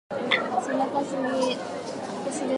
直射日光や高温の場所をさけて保管してください